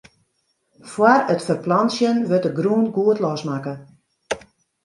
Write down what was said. Fóár it ferplantsjen wurdt de grûn goed losmakke.